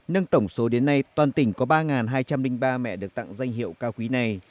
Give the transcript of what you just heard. nâng tổng số đến nay toàn tỉnh có ba hai trăm linh ba mẹ được tặng danh hiệu cao quý này